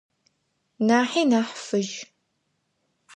Нахьи нахь фыжь.